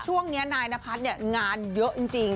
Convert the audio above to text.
ช่วงนี้นายนพัฒน์เนี่ยงานเยอะจริง